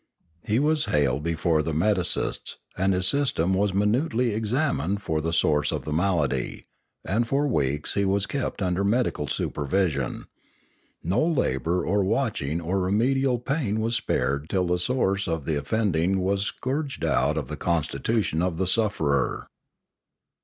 He was haled before the medicists, and his system was minutely examined for the source of the malady, and for weeks was he kept under medical supervision ; no labour or watch ing or remedial pain was spared till the source of 43 2 Limanora offending was scourged out of the constitution of the sufferer.